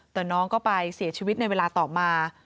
แต่น้องก็ไปเสียชีวิตในเวลาต่อมา